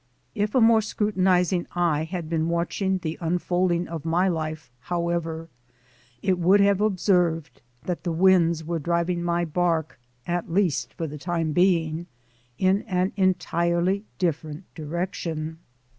If a more scrutinizing eye had been watch ing the unfolding of my life, however, it would have observed that the winds were driving my bark, at least for the time being, in an entirely different di rection.